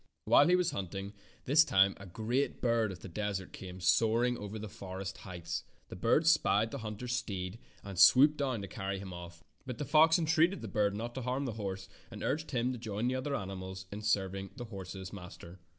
While he was hunting this time a great bird of the desert came soaring over the forest heights. The bird spied the hunter's steed and swooped down to carry him off, but the fox entreated the bird not to'harm the horse and urged him to join the other animals in serving the horse's mas ter.